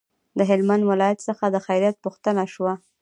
د هلمند ولایت څخه د خیریت پوښتنه شوه.